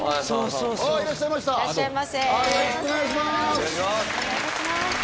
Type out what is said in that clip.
よろしくお願いします